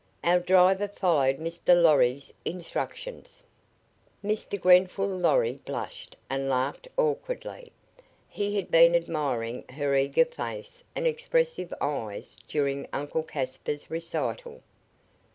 "Our driver followed Mr. Lorry's instructions." Mr. Grenfall Lorry blushed and laughed awkwardly. He had been admiring her eager face and expressive eyes during Uncle Caspar's recital.